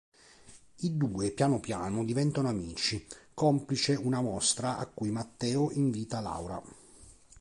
I due piano piano diventano amici, complice una mostra a cui Matteo invita Laura.